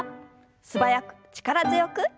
素早く力強く。